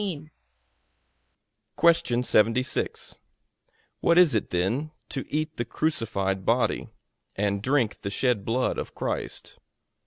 A.